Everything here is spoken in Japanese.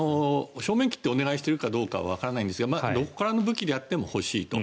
正面切ってお願いしているかどうかはわかりませんがどこからの武器であっても欲しいと。